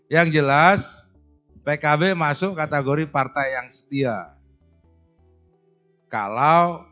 yang jelas pkb masuk kategori partai yang setia